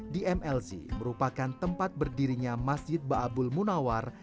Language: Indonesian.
dmlz merupakan tempat berdirinya masjid baabul munawar